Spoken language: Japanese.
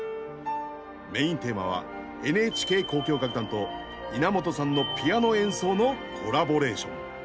メインテーマはＮＨＫ交響楽団と稲本さんのピアノ演奏のコラボレーション。